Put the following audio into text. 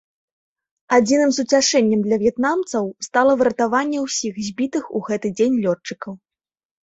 Адзіным суцяшэннем для в'етнамцаў стала выратаванне ўсіх збітых у гэты дзень лётчыкаў.